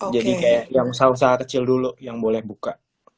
jadi kayak yang usaha usaha kecil dulu yang boleh buka